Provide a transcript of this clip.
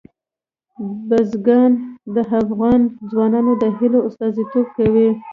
بزګان د افغان ځوانانو د هیلو استازیتوب کوي.